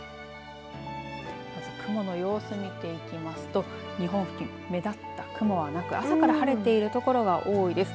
まず雲の様子見ていきますと日本付近目立った雲はなく朝から晴れている所が多いです。